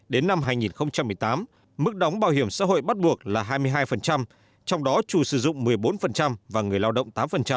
đến năm hai nghìn một mươi tám mức đóng bảo hiểm xã hội bắt buộc là hai mươi hai trong đó chủ sử dụng một mươi bốn và người lao động tám